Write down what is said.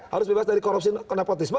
harus bebas dari korupsi ke nepotisme